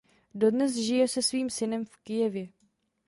Dodnes žije se svým synem v Kyjevě.